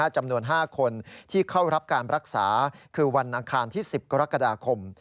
จำนวน๕คนที่เข้ารับการรักษาคือวันอังคารที่๑๐กรกฎาคม